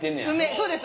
そうです。